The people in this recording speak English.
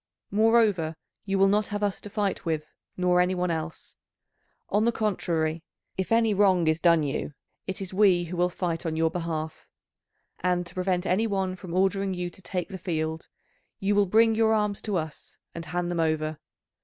Moreover you will not have us to fight with, nor any one else. On the contrary, if any wrong is done you, it is we who will fight on your behalf. And to prevent any one from ordering you to take the field, you will bring your arms to us and hand them over.